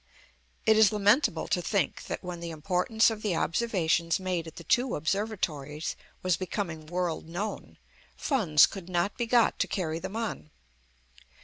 It is lamentable to think that, when the importance of the observations made at the two Observatories was becoming world known, funds could not be got to carry them on.